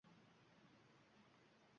Uni o‘ldirish, deyarli mumkin emas!